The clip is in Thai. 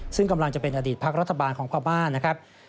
ซึ่งกำลังจะเป็นอดีตพักรัฐบาลของพม่านะครับ